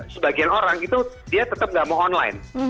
sebagian orang itu dia tetap nggak mau online